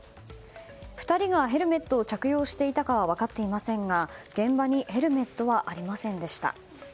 ２人がヘルメットを着用していたかは分かっていませんが現場にヘルメットはありませんでした。